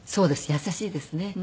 優しいですね。